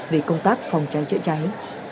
về công tác phòng cháy chữa cháy